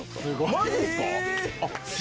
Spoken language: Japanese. マジですか！